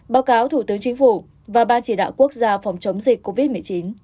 báo cáo thủ tướng chính phủ và ban chỉ đạo quốc gia phòng chống dịch covid một mươi chín